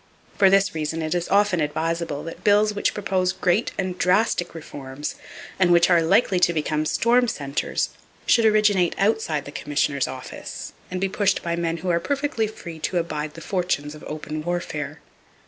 For this reason, it is often advisable that bills which propose great and drastic reforms, and which are likely to become storm centers, should originate outside the Commissioner's office, and be pushed by men who are perfectly free to abide the fortunes of open warfare.